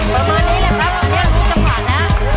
ประมาณนี้แหละครับนี่จะผลัดนะฮะ